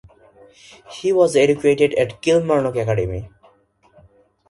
He was educated at Kilmarnock Academy.